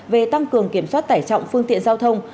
về tăng cường kiểm soát tải trọng phương tiện giao thông